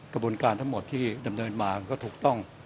กระบวนการทั้งหมดที่ดำเนินมาก็ถูกต้อง